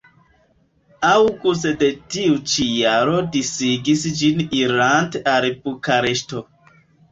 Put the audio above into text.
Aŭguste de tiu ĉi jaro disigis ĝin irante al Bukareŝto.